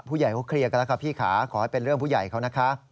เราเคลียร์กันแล้วครับพี่ขาขอให้เป็นเรื่องผู้ใหญ่เขานะคะ